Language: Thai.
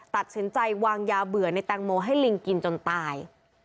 ตัดสินใจวางยาเบื่อในแตงโมให้ลิงกินจนตาย